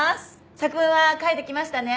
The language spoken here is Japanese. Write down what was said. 作文は書いてきましたね？